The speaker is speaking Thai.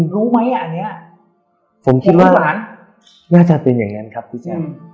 รู้ไหมอันนี้ผมคิดว่าร้านน่าจะเป็นอย่างนั้นครับพี่แจ๊ค